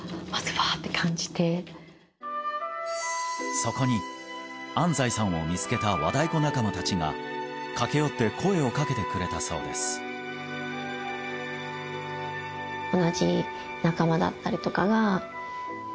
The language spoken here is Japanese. そこに安齋さんを見つけた和太鼓仲間達が駆け寄って声をかけてくれたそうですあっ